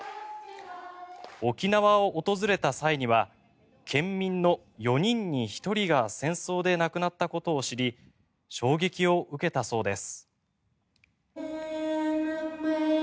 沖縄を訪れた際には県民の４人に１人が戦争で亡くなったことを知り衝撃を受けたそうです。